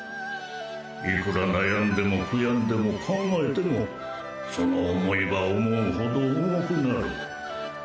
いくら悩んでも悔やんでも考えてもその思いは思うほど重くなる。